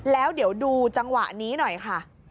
แล้วเดี๋ยวดูจังหวะนี้หน่อยค่ะ